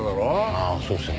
ああそうですよね。